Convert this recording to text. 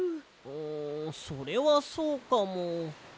んそれはそうかも。